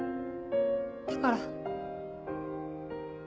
だから。